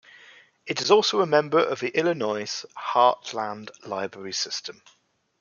It is also a member of the Illinois Heartland Library System.